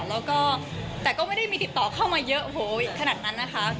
แล้วก็แต่ก็ไม่ได้มีติดต่อเข้ามาเยอะโอ้โหขนาดนั้นนะคะ